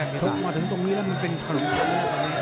ชุดมาถึงตรงนี้แล้วมันเป็นขนมชั้น